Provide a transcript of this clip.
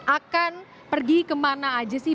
akan pergi kemana aja sih